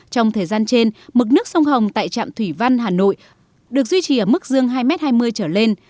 trong thời gian trên mực nước sông hồng tại trạm thủy văn hà nội được duy trì ở mức dương hai m hai mươi trở lên